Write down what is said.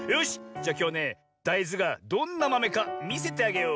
じゃきょうはねだいずがどんなまめかみせてあげよう。